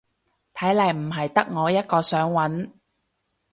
睇嚟唔係得我一個想搵